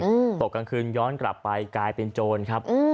อืมตกกลางคืนย้อนกลับไปกลายเป็นโจรครับอืม